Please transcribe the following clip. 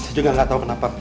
saya juga nggak tahu kenapa